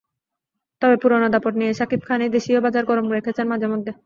তবে পুরোনো দাপট নিয়ে শাকিব খানই দেশীয় বাজার গরম রেখেছেন মাঝেমধ্যে।